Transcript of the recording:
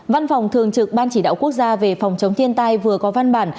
văn phòng thường trực ban chỉ đạo quốc gia về phòng chống thiên tai vừa có văn bản